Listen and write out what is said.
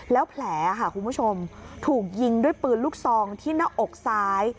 แล้วแผลค่ะคุณผู้ชมถูกยิงด้วยปืนลูกซองที่หน้าอกซ้าย